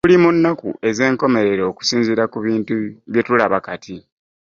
Tuli mu nnaku ezenkomerero okusinziira ku bintu byetulaba kati.